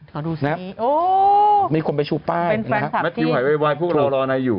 ขอดูสิโอ้มีคนไปชูป้ายนะครับเป็นแฟนสัตว์ที่แมททิวไหววายพวกเรารอในอยู่